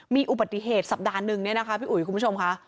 มีอุบัติเหตุสัปดาห์หนึ่งเนี่ยนะคะพี่อุ๋ยคุณผู้ชมค่ะ